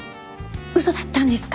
嘘だったんですか？